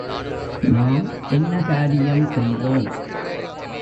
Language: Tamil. நாம் என்ன காரியம் செய்தோம்?